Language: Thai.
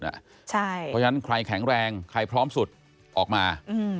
เพราะฉะนั้นใครแข็งแรงใครพร้อมสุดออกมา